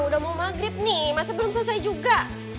bukan sudah mau maghrib nih masa belum selesai juga